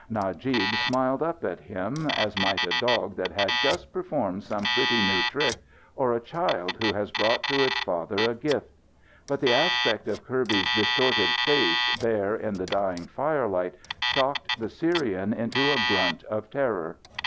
Najib smiled up at him as might a dog that had just performed some pretty new trick, or a child who has brought to its father a gift. But the aspect of Kirby's distorted face there in the dying firelight shocked the Syrian into a grunt of terror.